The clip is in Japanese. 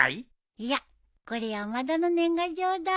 いやこれ山田の年賀状だ。